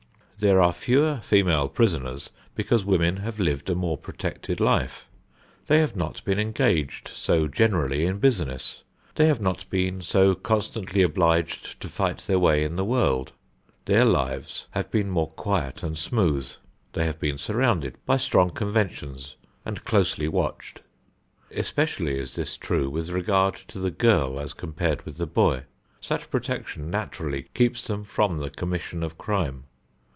There are fewer female prisoners because women have lived a more protected life; they have not been engaged so generally in business; they have not been so constantly obliged to fight their way in the world; their lives have been more quiet and smooth; they have been surrounded by strong conventions and closely watched. Especially is this true with regard to the girl as compared with the boy. Such protection naturally keeps them from the commission of crime.